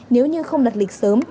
nếu như không đặt lịch sớm